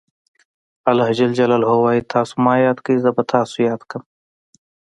الله ج وایي تاسو ما یاد کړئ زه به تاسې یاد کړم.